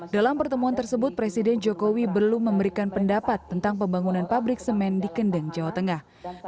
dalam pertemuan tersebut presiden jokowi belum memberikan pendapat tentang pembangunan pabrik semen di kendeng jawa tengah